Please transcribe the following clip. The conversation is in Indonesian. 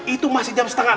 itu masih jam setengah enam